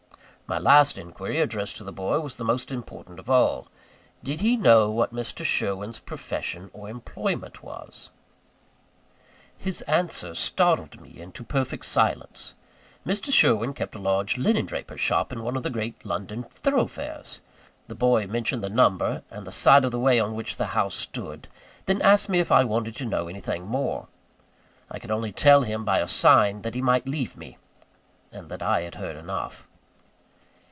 My last inquiry addressed to the boy was the most important of all. Did he know what Mr. Sherwin's profession or employment was? His answer startled me into perfect silence. Mr. Sherwin kept a large linen draper's shop in one of the great London thoroughfares! The boy mentioned the number, and the side of the way on which the house stood then asked me if I wanted to know anything more. I could only tell him by a sign that he might leave me, and that I had heard enough.